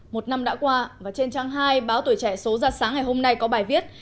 một năm đã qua và trên trang hai báo tuổi trẻ số ra sáng ngày hôm nay có bài viết